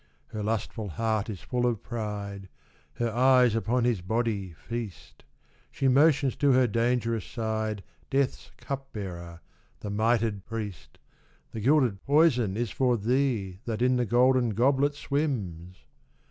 Her lustful heart is full of pride ; Her eyes upon his body feast ; She motions to her dangerous side Death's Cup bearer, the mitred priest. The gilded poison is for thee That in the golden goblet swims